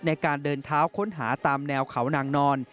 ในการเดินเท้าค้นหาตามแนวเขานางนอน